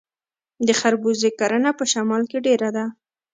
د خربوزې کرنه په شمال کې ډیره ده.